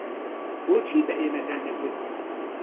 بۆچی بە ئێمەتان نەگوت؟